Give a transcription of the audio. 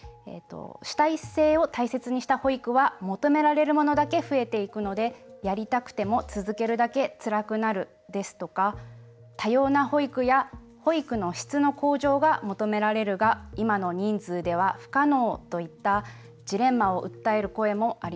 「主体性を大切にした保育は求められるものだけ増えていくので、やりたくても続けるだけつらくなる」ですとか「多様な保育や保育の質の向上が求められるが今の人数では不可能」といったジレンマを訴える声もありました。